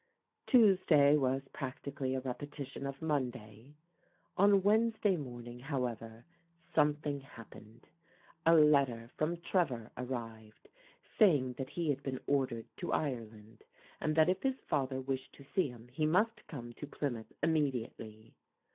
Tuesday was practically a repetition of Monday. On Wednesday morning, however, something happened. A letter from Trevor arrived saying that he had been or dered to Ireland, and that if his father wished to see him, he must come to Plymouth immediately.